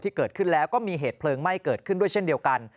เกิดขึ้นแล้วก็มีเหตุเพลิงไหม้เกิดขึ้นด้วยเช่นเดียวกัน